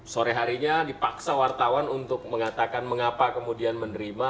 sore harinya dipaksa wartawan untuk mengatakan mengapa kemudian menerima